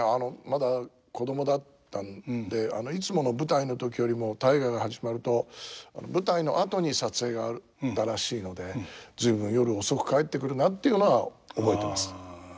まだ子供だったんでいつもの舞台の時よりも「大河」が始まると舞台の後に撮影があったらしいので「随分夜遅く帰ってくるな」っていうのは覚えてます。